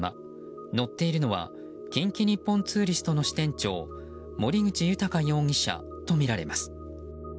乗っているのは近畿日本ツーリストの支店長森口裕容疑者とみられます。